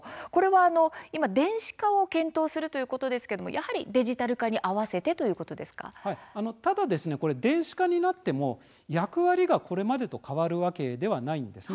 今、電子化を検討するということですが、やはりデジタル化にただ、電子化になっても役割がこれまで変わるわけではないんです。